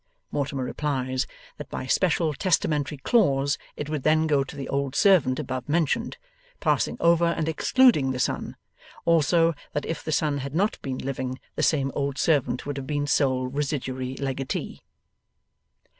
Mortimer replies, that by special testamentary clause it would then go to the old servant above mentioned, passing over and excluding the son; also, that if the son had not been living, the same old servant would have been sole residuary legatee.